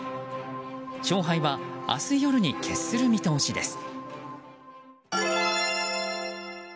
勝敗は明日夜に決する見通しです。